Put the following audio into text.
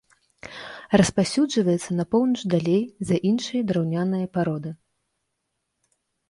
Распаўсюджваецца на поўнач далей за іншыя драўняныя пароды.